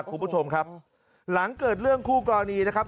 คุณผู้ชมครับหลังเกิดเรื่องคู่กรณีนะครับ